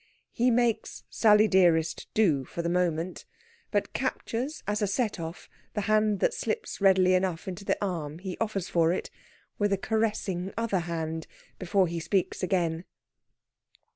He makes "Sally dearest" do for the moment, but captures as a set off the hand that slips readily enough into the arm he offers for it, with a caressing other hand, before he speaks again.